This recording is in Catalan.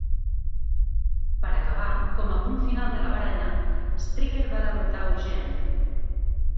Per acabar, com a punt final de la baralla, Striker va derrotar Eugene.